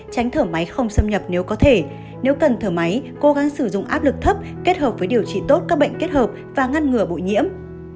tránh thở máy không xâm nhập nếu có thể nếu cần thở máy cố gắng sử dụng áp lực thấp kết hợp với điều trị tốt các bệnh kết hợp và ngăn ngừa bụi nhiễm